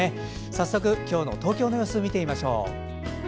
早速、今日の東京の様子見てみましょう。